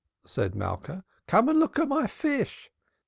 cried Malka. "Come and look at my fish!